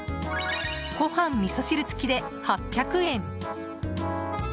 ご飯、みそ汁付きで８００円。